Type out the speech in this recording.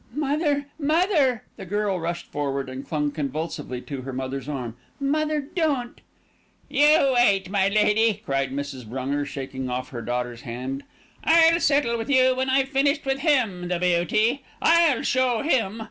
"Mother! mother!" The girl rushed forward and clung convulsively to her mother's arm. "Mother, don't!" "You wait, my lady," cried Mrs. Brunger, shaking off her daughter's hand. "I'll settle with you when I've finished with him, the beauty. I'll show him!"